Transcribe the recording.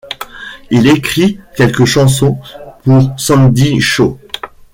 Il écrit quelques chansons pour Sandie Shaw.